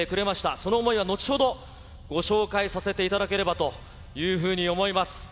その想いは後ほどご紹介させていただければというふうに思います。